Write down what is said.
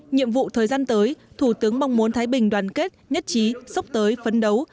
nhiệm vụ thời gian tới thủ tướng mong muốn thái bình đoàn kết nhất trí sốc tới phấn đấu